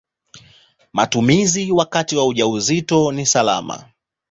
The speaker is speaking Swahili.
Matumizi wakati wa ujauzito ni salama.